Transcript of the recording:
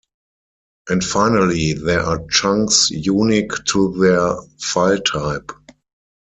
And finally, there are chunks unique to their file type.